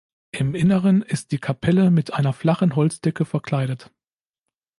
Im Inneren ist die Kapelle mit einer flachen Holzdecke verkleidet.